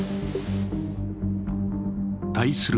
対する